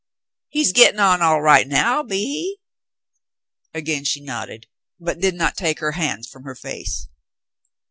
"He's gettin' on all right now, be he ?" Again she nodded, but did not take her hands from her face.